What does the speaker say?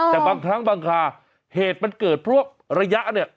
แต่บางครั้งบางคาเหตุมันเกิดเพราะว่าระยะเนี่ย